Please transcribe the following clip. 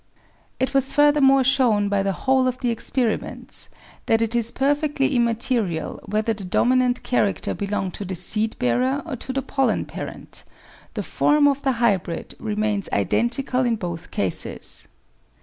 It was furthermore shown by the whole of the experiments that it is perfectly immaterial whether the dominant character belongs to the seed bearer or to the pollen parent; the form of the hybrid remains identical in both cases.